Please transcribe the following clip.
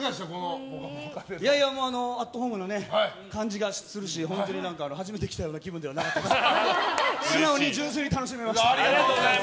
アットホームな感じがするし本当に初めて来たような気分ではなかったです。